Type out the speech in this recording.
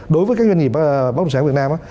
đối với các doanh nghiệp bất động sản việt nam